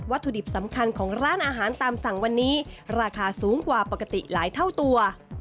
ถุดิบสำคัญของร้านอาหารตามสั่งวันนี้ราคาสูงกว่าปกติหลายเท่าตัว